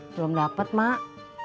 belum dapet mak